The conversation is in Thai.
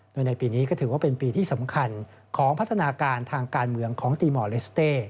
โดยในปีนี้ก็ถือว่าเป็นปีที่สำคัญของพัฒนาการทางการเมืองของตีหมอเลสเต้